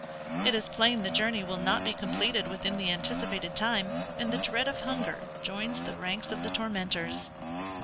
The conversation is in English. It is plain the journey will not be completed within the anticipated time, and the dread of hunger joins the ranks of the tormentors....